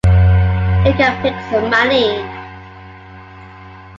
you can pick some money